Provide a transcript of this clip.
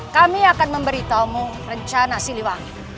kami akan memberitahumu rencana siliwangi